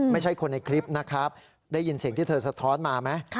ไม่ใช่คนในคลิปนะครับได้ยินเสียงที่เธอสะท้อนมาไหม